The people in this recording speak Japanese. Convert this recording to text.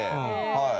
はい。